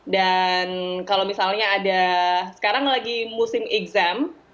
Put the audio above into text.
dan kalau misalnya ada sekarang lagi musim exam